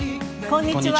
こんにちは。